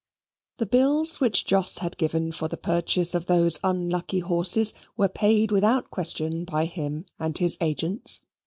The bills which Jos had given for the purchase of those unlucky horses were paid without question by him and his agents.